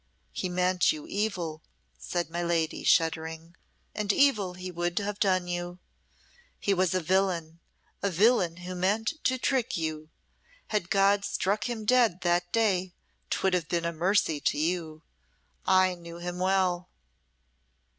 "He meant you evil," said my lady, shuddering, "and evil he would have done you. He was a villain a villain who meant to trick you. Had God struck him dead that day, 'twould have been mercy to you. I knew him well."